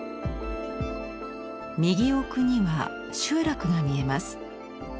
右奥には集落が見えます。